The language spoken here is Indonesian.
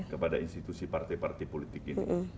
kepada institusi partai partai politik itu